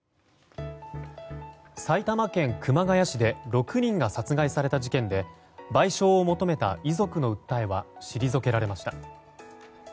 埼玉県熊谷市で６人が殺害された事件で賠償を求めた遺族の訴えは退けられました。